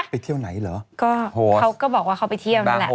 ไปเที่ยวไหนเหรอโฮสบางโหจริงเหรอ